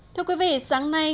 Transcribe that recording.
thưa quý vị sáng nay